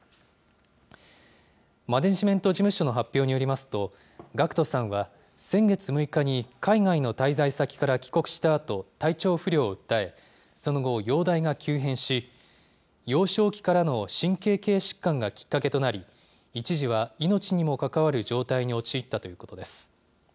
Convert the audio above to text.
マネジメント事務所の発表によりますと、ＧＡＣＫＴさんは、先月６日に海外の滞在先から帰国したあと、体調不良を訴え、その後、容体が急変し、幼少期からの神経系疾患がきっかけとなり、一時は命にも関わる状態に陥ったということです。